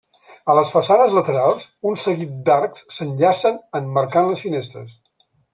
A les façanes laterals, un seguit d'arcs s'enllacen emmarcant les finestres.